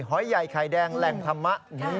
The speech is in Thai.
หอยใหญ่ไข่แดงแหล่งธรรมะ